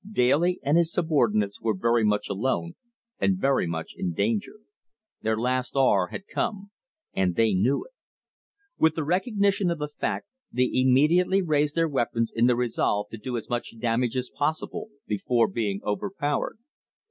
Daly and his subordinate were very much alone, and very much in danger. Their last hour had come; and they knew it. With the recognition of the fact, they immediately raised their weapons in the resolve to do as much damage as possible before being overpowered.